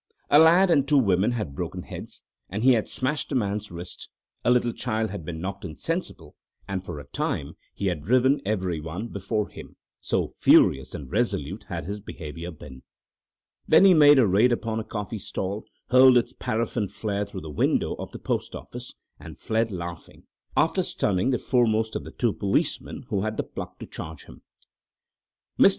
A lad and two women had broken heads, and he had smashed a man's wrist; a little child had been knocked insensible, and for a time he had driven every one before him, so furious and resolute had his behaviour been. Then he made a raid upon a coffee stall, hurled its paraffin flare through the window of the post office, and fled laughing, after stunning the foremost of the two policemen who had the pluck to charge him. Mr.